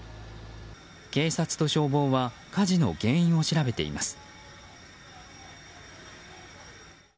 警察と消防は火事の原因を調べています。